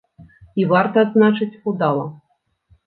І, варта адзначыць, удала.